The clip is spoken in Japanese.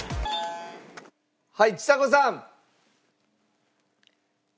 はいちさ子さん。